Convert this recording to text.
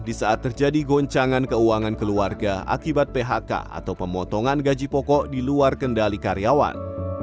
di saat terjadi goncangan keuangan keluarga akibat phk atau pemotongan gaji pokok di luar kendali karyawan